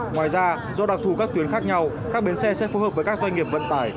ngoài ra do đặc thù các tuyến khác nhau các bến xe sẽ phù hợp với các doanh nghiệp vận tải